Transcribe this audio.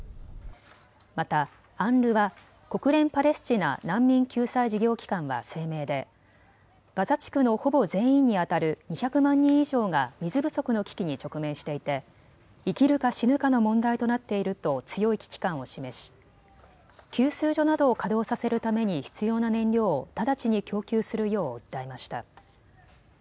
また、ＵＮＲＷＡ・国連パレスチナ難民救済事業機関は声明でガザ地区のほぼ全員にあたる２００万人以上が水不足の危機に直面していて生きるか死ぬかの問題となっていると強い危機感を示し給水所などを稼働させるために必要な燃料を直ちに供給するよう訴えました。